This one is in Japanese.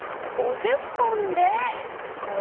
５０本で。